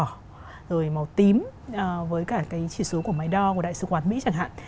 rồi màu tím với cả cái chỉ số của máy đo của đại sứ quán mỹ chẳng hạn